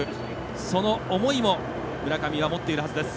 その思いも村上は持っているはずです。